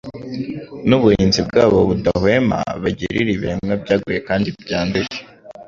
n'uburinzi bwabo budahwema, bagirira ibiremwa byaguye kandi byanduye.